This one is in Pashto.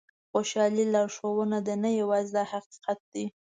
خوشالي لارښوونه ده نه یو ځای دا حقیقت دی.